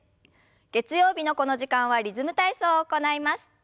月曜日のこの時間は「リズム体操」を行います。